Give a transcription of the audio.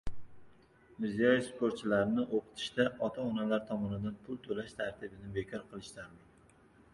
Mirziyoyev: "Sportchilarni o‘qitishda ota-onalar tomonidan pul to‘lash tartibini bekor qilish zarur"